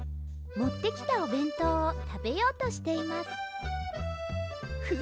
もってきたおべんとうをたべようとしていますフ！